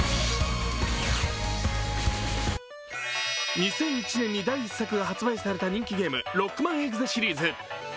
２００１年に第１作が発売された人気ゲーム「ロックマンエグゼ」シリーズ。